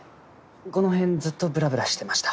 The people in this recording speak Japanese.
この辺ずっとブラブラしてました。